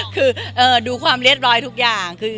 คือดูความเรียบร้อยทุกอย่าง